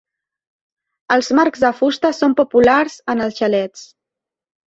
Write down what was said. Els marcs de fusta són populars en els xalets.